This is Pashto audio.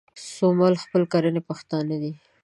سومل خېل کرلاني پښتانه دي